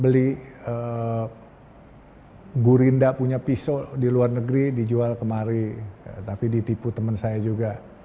beli gurinda punya pisau di luar negeri dijual kemari tapi ditipu teman saya juga